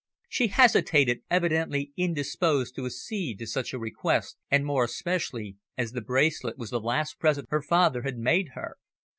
She hesitated, evidently indisposed to accede to such a request and more especially as the bracelet was the last present her father had made her.